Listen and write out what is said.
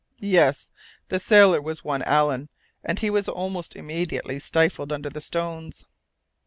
"Yes. The sailor was one Allen, and he was almost immediately stifled under the stones."